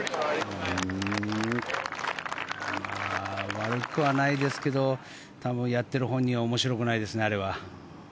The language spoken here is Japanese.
悪くはないですけど多分、やってる本人は面白くないですね、あれは。